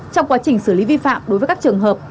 trong quá trình xử lý vi phạm đối với các trường hợp